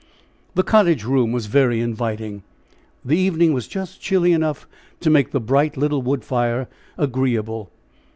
The cottage room was very inviting. The evening was just chilly enough to make the bright little wood fire agreeable.